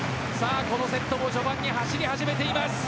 このセットも序盤に走り始めています。